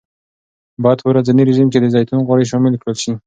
باید په ورځني رژیم کې د زیتون غوړي شامل کړل شي.